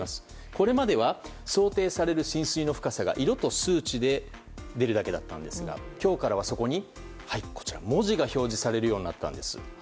これまでは想定される浸水の深さが色と数値で出るだけだったんですが今日からはそこに文字が表示されるようになったんです。